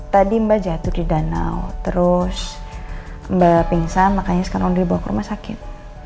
tadi mbak jatuh di danau terus mbak pingsan makanya sekarang udah dibawa ke rumah sakit